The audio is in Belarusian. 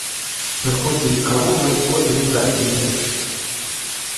Прыходзілі каровы і козы лізаць яе.